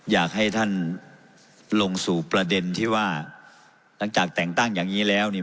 อยากให้ท่านลงสู่ประเด็นที่ว่าหลังจากแต่งตั้งอย่างนี้แล้วเนี่ย